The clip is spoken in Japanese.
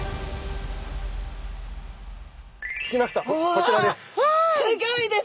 こちらです。